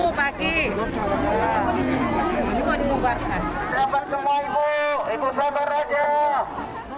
sabar semua ibu